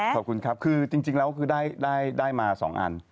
ขอบคุณครับคือจริงแล้วคือได้มา๒อัน